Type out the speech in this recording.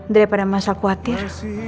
daripada masal khawatir